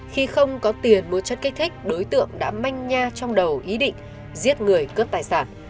khi không có tiền mua chất kích thích đối tượng đã manh nha trong đầu ý định giết người cướp tài sản